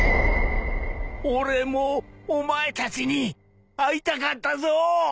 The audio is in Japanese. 俺もお前たちに会いたかったぞ！